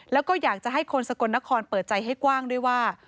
แล้วก็อยากจะให้คนสกลนครเปิดใจให้กว้างด้วยว่า